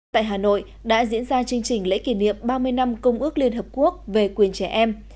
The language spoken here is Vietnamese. tại hà nội đã diễn ra chương trình lễ kỷ niệm ba mươi năm công ước liên hợp quốc về quyền trẻ em